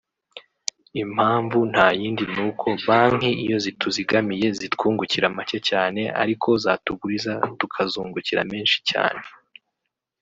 Impamvu nta yindi ni uko banki iyo zituzigamiye zitwungukira make cyane ariko zo zatuguriza tukazungukira menshi cyane